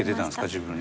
自分に。